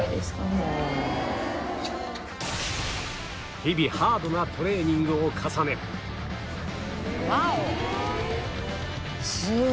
日々ハードなトレーニングを重ねワオッ！